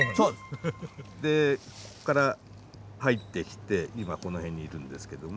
ここから入ってきて今この辺にいるんですけども。